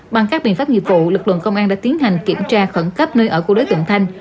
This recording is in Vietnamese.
bằng các biện pháp nghiệp vụ lực lượng công an đã tiến hành kiểm tra khẩn cấp nơi ở của đối tượng thanh